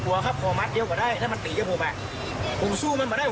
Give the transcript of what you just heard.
โลกแปลิร์ฟ